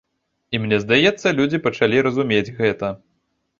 І мне здаецца, людзі пачалі разумець гэта.